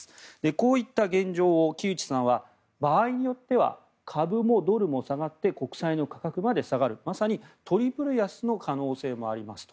こういった現状を木内さんは場合によっては株もドルも下がって国債の価格まで下がるまさにトリプル安の可能性もありますと。